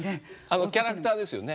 あのキャラクターですよね？